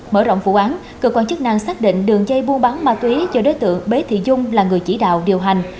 mở rộng vụ án cơ quan chức năng xác định đường dây buôn bắn ma túy do đối tượng bé thị dung là người chỉ đạo điều hành